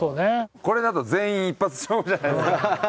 これだと全員一発勝負じゃないですか。